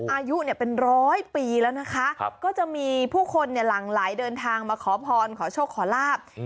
อายุเป็นร้อยปีแล้วนะคะก็จะมีผู้คนหลั่งไหลเดินทางมาขอพรขอโชคขอลาบ